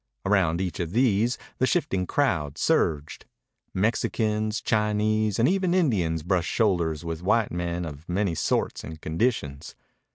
Around each of these the shifting crowd surged. Mexicans, Chinese, and even Indians brushed shoulders with white men of many sorts and conditions.